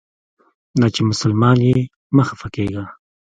دا چې مسلمان یې مه خپه کیږه.